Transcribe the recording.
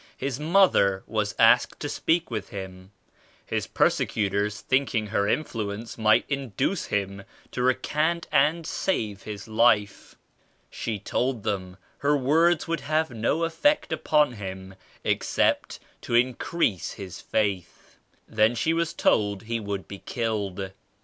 His mother was asked to speak with him, his persecutors thinking her influence might induce him to recant and save his life. She told them her words would have no effect 62 upon him except to increase his faith. Then she was told he would be killed.